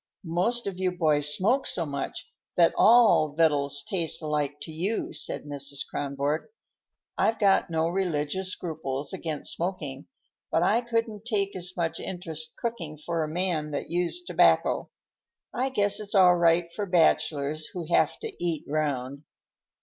"Most of you boys smoke so much that all victuals taste alike to you," said Mrs. Kronborg. "I've got no religious scruples against smoking, but I couldn't take as much interest cooking for a man that used tobacco. I guess it's all right for bachelors who have to eat round."